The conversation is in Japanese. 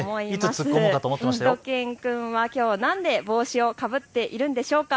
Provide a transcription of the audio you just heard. しゅと犬くんはきょうなんで帽子をかぶっているんでしょうか。